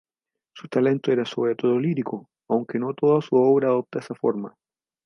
Su talento era sobre todo lírico, aunque no toda su obra adopta esa forma.